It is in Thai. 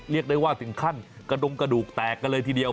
เรียกได้ว่าถึงขั้นกระดงกระดูกแตกกันเลยทีเดียว